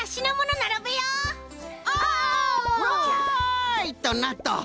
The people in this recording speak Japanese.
おいとなっと！